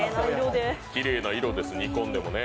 きれいな色です、煮込んでもね。